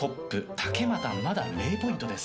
竹俣はまだ０ポイントです。